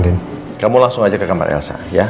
din kamu langsung aja ke kamar elsa ya